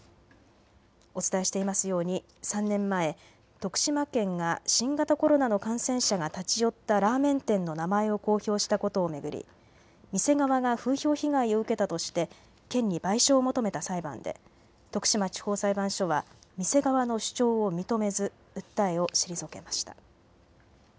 お伝えしていますように３年前、徳島県が新型コロナの感染者が立ち寄ったラーメン店の名前を公表したことを巡り店側が風評被害を受けたとして県に賠償を求めた裁判で徳島地方裁判所は店側の主張を認めず訴えを退けました。